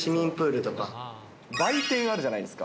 売店あるじゃないですか。